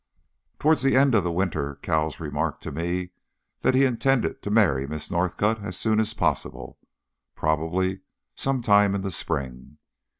Towards the end of the winter Cowles remarked to me that he intended to marry Miss Northcott as soon as possible probably some time in the spring.